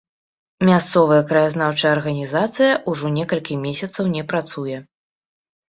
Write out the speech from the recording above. Мясцовая краязнаўчая арганізацыя ўжо некалькі месяцаў не працуе.